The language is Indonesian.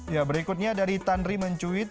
ya berikutnya dari tanri mencuit